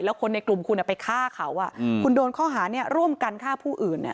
แล้วคนในกลุ่มคุณไปฆ่าเขาคุณโดนข้อหาร่วมกันฆ่าผู้อื่น